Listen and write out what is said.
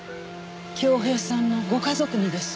郷平さんのご家族にです。